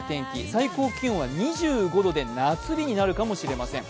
最高気温は２５度で夏日になるかもしれません。